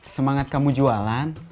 semangat kamu jualan